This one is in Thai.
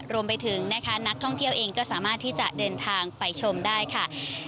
รวมไปถึงนะคะนักท่องเที่ยวเองก็สามารถที่จะเดินทางไปชมได้ค่ะ